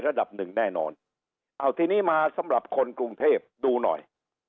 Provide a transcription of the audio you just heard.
ระดับหนึ่งแน่นอนเอาทีนี้มาสำหรับคนกรุงเทพดูหน่อย